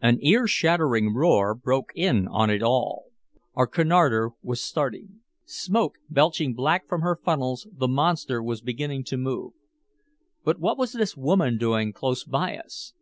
An ear shattering roar broke in on it all. Our Cunarder was starting. Smoke belching black from her funnels, the monster was beginning to move. But what was this woman doing close by us?